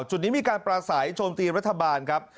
จุดนี้มีการปราศัยโจมตีรัฐบาลครับ